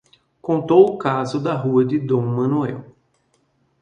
Contou o caso da rua de D. Manoel.